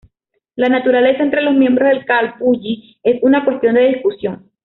La naturaleza entre los miembros del calpulli es una cuestión de discusión.